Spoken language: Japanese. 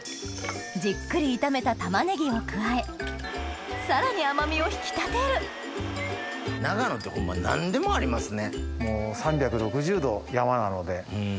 じっくり炒めた玉ねぎを加えさらに甘みを引き立てる長野ってホンマ何でもありますね。